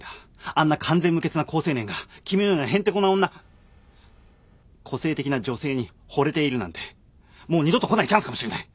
あんな完全無欠な好青年が君のようなへんてこな女個性的な女性にほれているなんてもう二度と来ないチャンスかもしれない。